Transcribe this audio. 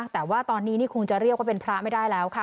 แต่ว่าตอนนี้นี่คงจะเรียกว่าเป็นพระไม่ได้แล้วค่ะ